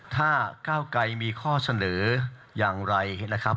ถ้าก้าวไกรมีข้อเสนออย่างไรนะครับ